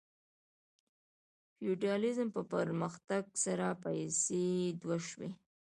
د فیوډالیزم په پرمختګ سره پیسې دود شوې.